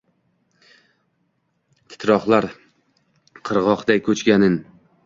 Titroqlar qirgʼoqday koʼchganin.